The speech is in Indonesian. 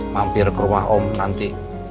mampir ke rumah om nanti